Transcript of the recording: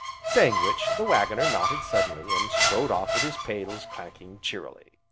Saying which, the Waggoner nodded suddenly and strode off with his pails clanking cheerily.